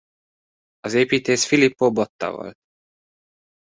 Az építész Filippo Botta volt.